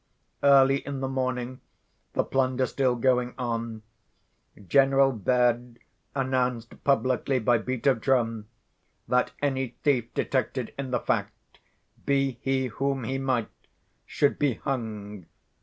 Early in the morning, the plunder still going on, General Baird announced publicly by beat of drum, that any thief detected in the fact, be he whom he might, should be hung.